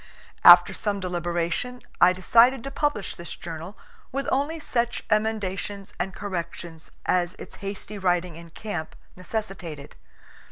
After some deliberation I decided to publish this journal, with only such emendations and corrections as its hasty writing in camp necessitated.